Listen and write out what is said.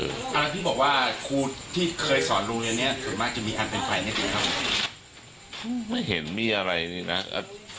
อะไรที่บอกว่าครูที่เคยสอนโรงเรียนเนี่ยเหมือนจะมีอันเป็นภายในคุณครับ